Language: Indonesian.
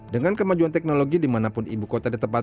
dengan kemajuan teknologi dimanapun ibu kota